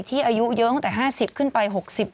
ที่อายุ๔๐ขึ้นไป๕๐๗๐